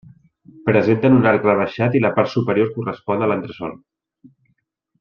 Presenten un arc rebaixat i la part superior correspon a l'entresòl.